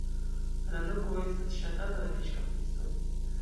La loko estas ŝatata de fiŝkaptistoj.